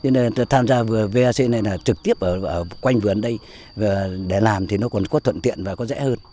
nên tham gia vac này trực tiếp quanh vườn đây để làm thì nó còn có thuận tiện và có dễ hơn